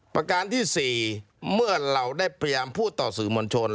ประการที่๔เมื่อเราได้พยายามพูดต่อสื่อมวลชน